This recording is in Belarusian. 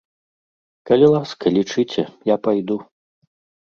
Калі ласка, лічыце, я пайду.